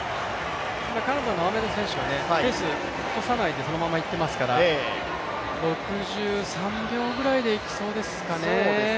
カナダのアーメド選手がペースを落とさないでそのままいっていますから６３秒ぐらいでいきそうですかね。